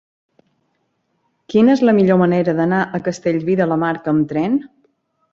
Quina és la millor manera d'anar a Castellví de la Marca amb tren?